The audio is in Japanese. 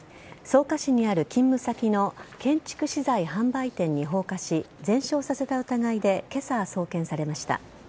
草加市にある勤務先の建築資材販売店に放火し全焼させた疑いで今朝、送検されました。